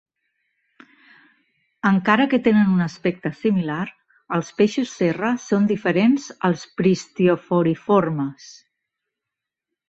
Encara que tenen un aspecte similar, els peixos serra són diferents als pristioforiformes.